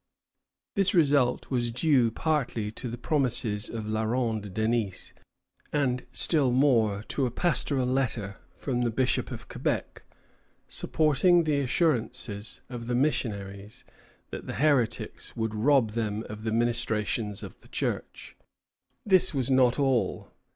This result was due partly to the promises of La Ronde Denys, and still more to a pastoral letter from the Bishop of Quebec, supporting the assurances of the missionaries that the heretics would rob them of the ministrations of the Church. This was not all.